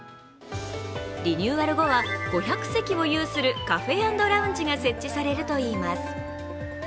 リニューアル後は５００席を有するカフェ＆ラウンジが設置されるといいます。